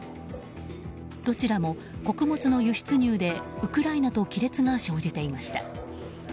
どちらも、穀物の輸出入でウクライナと亀裂が生じていました。